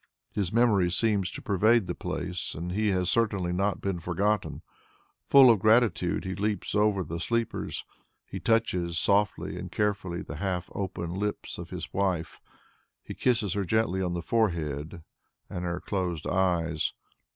His memory seems to pervade the place; he has certainly not been forgotten. Full of gratitude, he leans over the sleepers, he touches softly and carefully the half open lips of his wife, he kisses gently her forehead and her closed eyes.